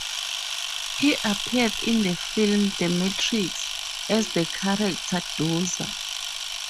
He appeared in the film "The Matrix" as the character Dozer.